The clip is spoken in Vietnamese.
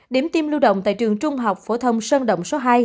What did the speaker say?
điểm tiêm lưu động tại trường trung học phổ thông sơn động số hai